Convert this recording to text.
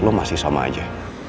lo masih sama aja